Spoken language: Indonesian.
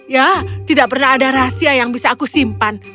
ya tidak pernah ada rahasia yang bisa aku simpan